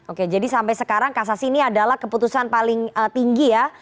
oke jadi sampai sekarang kasasi ini adalah keputusan paling tinggi ya